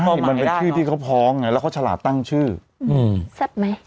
มันเป็นชื่อที่เขาพร้อมไงแล้วก็ฉลาดตั้งชื่ออืมแซ่บไหม